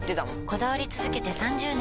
こだわり続けて３０年！